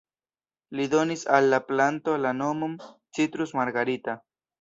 Li donis al la planto la nomon "Citrus margarita".